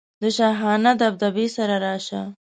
د شاهانه دبدبې سره راشه.